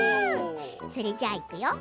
それじゃあ、いくよ。